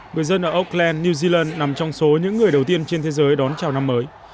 người dân ở ockland new zealand nằm trong số những người đầu tiên trên thế giới đón chào năm mới